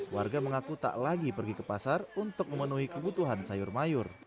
warga mengaku tak lagi pergi ke pasar untuk memenuhi kebutuhan sayur mayur